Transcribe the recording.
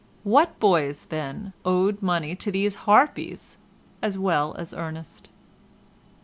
What boys, then, owed money to these harpies as well as Ernest?